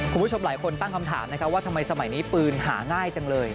คุณผู้ชมหลายคนตั้งคำถามนะครับว่าทำไมสมัยนี้ปืนหาง่ายจังเลย